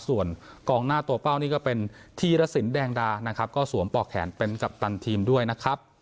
ส่วนกองหน้าตัวเป้านี่ก็เป็นธีรสินแดงดานะครับก็สวมปอกแขนเป็นกัปตันทีมด้วยนะครับ